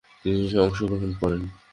তিনি অংশগ্রহণ করেন।